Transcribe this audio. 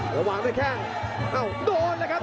ระหว่างได้แค่โอ้ไม่นัดฟังเลยครับ